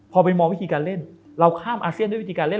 พอไปมองวิธีการเล่นเราข้ามอาเซียนด้วยวิธีการเล่น